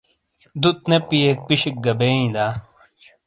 دُت نے پِئیک پِشِیک گہ بئییں دا؟